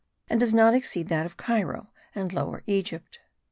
and does not exceed that of Cairo and Lower Egypt.